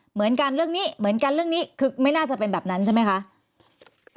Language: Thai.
เหมือนกันเรื่องนี้เหมือนกันเรื่องนี้คือไม่น่าจะเป็นแบบนั้นใช่ไหมคะ